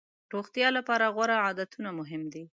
روغتیا لپاره غوره عادتونه مهم دي.